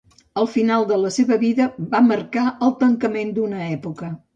El final de la seva vida va marcar el tancament d'una època.